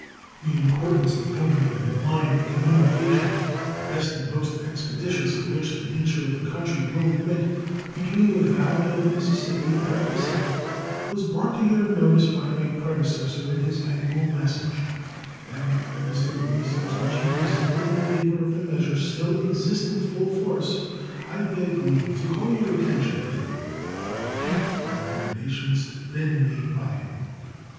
The importance of opening "a line of communication, the best and most expeditious of which the nature of the country will admit," between the Valley of the Mississippi and the Pacific was brought to your notice by my predecessor in his annual message; and as the reasons which he presented in favor of the measure still exist in full force, I beg leave to call your attention to them and to repeat the recommendations then made by him.